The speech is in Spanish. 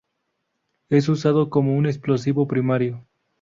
Es usado como un explosivo primario.